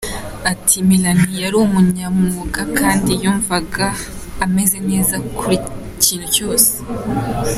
Ati “Melanie yari umunyamwuga kandi yumvaga ameze neza ku kintu cyose.